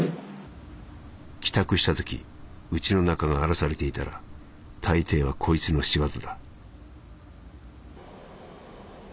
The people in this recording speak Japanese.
「帰宅したときうちの中が荒らされていたら大抵はこいつの仕業だ」。